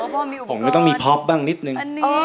ผมก็ต้องมีพ็อปบ้างนิดนึง